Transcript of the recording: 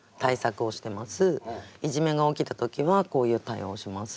いじめが起きた時はこういう対応をします。